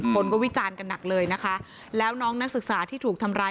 คนก็วิจารณ์กันหนักเลยนะคะแล้วน้องนักศึกษาที่ถูกทำร้าย